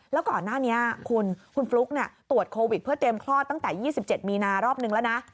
แล้วก่อนหน้านี้คุณฟลุ๊กตรวจโควิดเพื่อเตรียมคลอดตั้งแต่๒๗มีนารอบนึงแล้วนะ